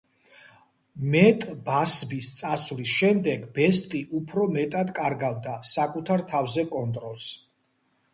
მეტ ბასბის წასვლის შემდეგ ბესტი უფრო მეტად კარგავდა საკუთარ თავზე კონტროლს.